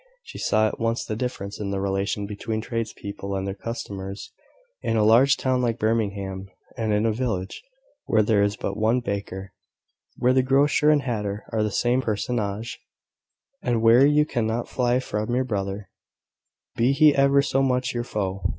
She saw at once the difference in the relation between tradespeople and their customers in a large town like Birmingham, and in a village where there is but one baker, where the grocer and hatter are the same personage, and where you cannot fly from your butcher, be he ever so much your foe.